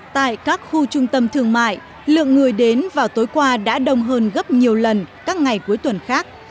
tại các khu trung tâm thương mại lượng người đến vào tối qua đã đông hơn gấp nhiều lần các ngày cuối tuần khác